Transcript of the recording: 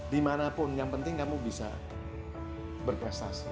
dimanapun yang penting kamu bisa berprestasi